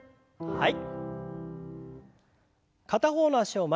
はい。